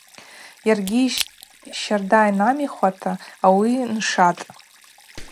Йаргьи щарда йнамихуата ауи ншатӏ.